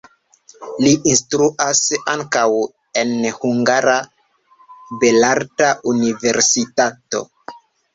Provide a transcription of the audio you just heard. Li instruas ankaŭ en Hungara Belarta Universitato.